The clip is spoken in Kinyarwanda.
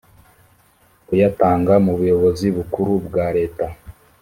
kuyatanga mu buyobozi bukuru bwa leta